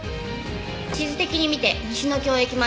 地図的に見て西ノ京駅前広場。